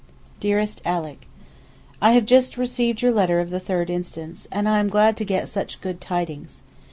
DEAREST ALICK, I have just received your letter of the 3rd inst., and am glad to get such good tidings.